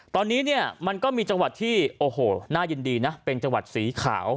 ตอนนี้เนี่ยมันก็มีจังหวัดที่โอ้โหน่ายินดีนะเป็นจังหวัดสีขาว